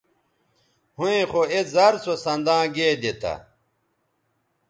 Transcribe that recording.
ھویں خو اے زر سو سنداں گیدے تھا